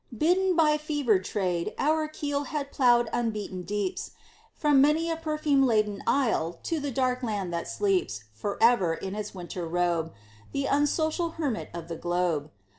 Bidden by fevered trade, our keel Had ploughed unbeaten deeps; From many a perfume laden isle To the dark land that sleeps Forever in its winter robe, Th' unsocial hermit of the globe.